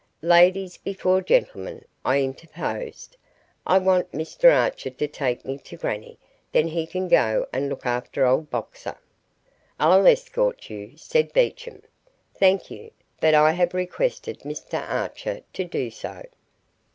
"Ladies before gentlemen," I interposed. "I want Mr Archer to take me to grannie, then he can go and look after old Boxer." "I'll escort you," said Beecham. "Thank you, but I have requested Mr Archer to do so."